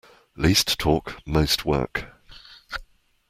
Least talk most work.